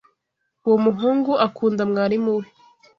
Uwo muhungu akunda mwarimu we.